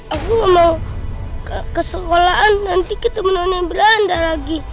aku nggak mau ke sekolahan nanti ketemu none belanda lagi